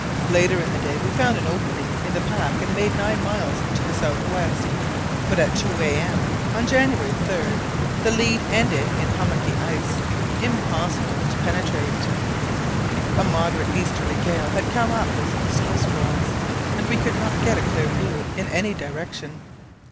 Later in the day we found an opening in the pack and made 9 miles to the south west, but at 2 a.m. on January 3 the lead ended in hummocky ice, impossible to penetrate. A moderate easterly gale had come up with snow squalls, and we could not get a clear view in any direction.